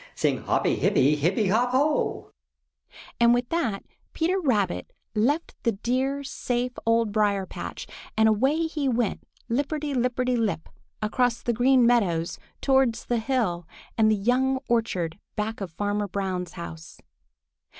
Sing hoppy hippy hippy hop o!" And with that, Peter Rabbit left the dear safe Old Briar patch, and away he went lipperty lipperty lip, across the Green Meadows towards the hill and the young orchard back of Farmer Brown's house.